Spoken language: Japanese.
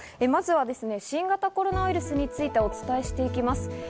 まずは新型コロナウイルスについてお伝えしていきます。